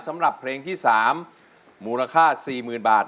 สำหรับเพลงที่๓มูลค่า๔๐๐๐บาท